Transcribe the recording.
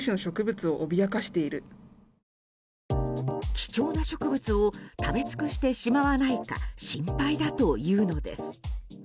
貴重な植物を食べつくしてしまわないか心配だというのです。